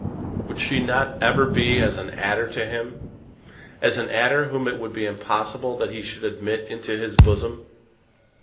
Would she not ever be as an adder to him, as an adder whom it would be impossible that he should admit into his bosom?